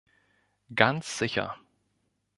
Ganz sicher!